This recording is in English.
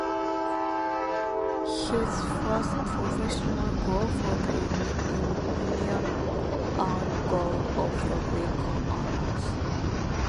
His first professional goal for the Union earned Goal of the Week honors.